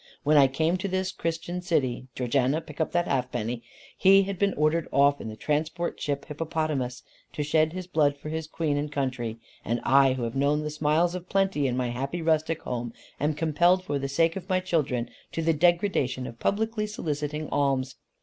When I came to this Christian city Georgiana, pick up that halfpenny he had been ordered off in the transport ship Hippopotamus, to shed his blood for his Queen and country; and I who have known the smiles of plenty in my happy rustic home, I am compelled for the sake of my children to the degradation of publicly soliciting alms.